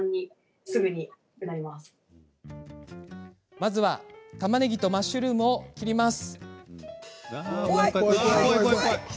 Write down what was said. まずは、たまねぎとマッシュルームを切ります。